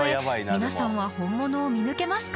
皆さんは本物を見抜けますか？